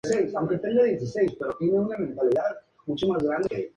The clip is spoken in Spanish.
Durante la dictadura franquista fue miembro del Consejo de la Hispanidad.